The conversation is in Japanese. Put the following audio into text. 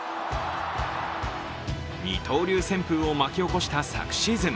二刀流旋風を巻き起こした昨シーズン。